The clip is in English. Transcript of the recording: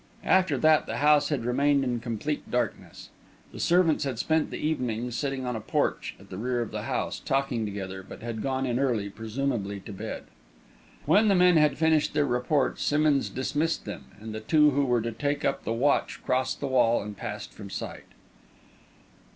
After that, the house had remained in complete darkness. The servants had spent the evening sitting on a porch at the rear of the house, talking together, but had gone in early, presumably to bed. When the men had finished their report, Simmonds dismissed them, and the two who were to take up the watch crossed the wall and passed from sight.